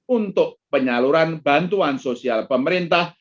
untuk penyaluran bantuan sosial pemerintah